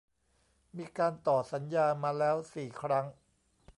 มีการต่อสัญญามาแล้ว สี่ ครั้ง